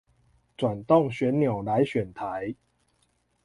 轉動旋鈕來選台